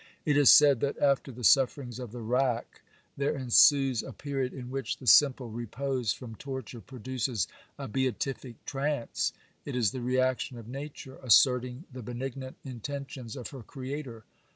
It is said, that after the sufferings of the rack, there ensues a period in which the simple repose from torture produces a beatific trance; it is the reaction of Nature, asserting the benignant intentions of her Creator.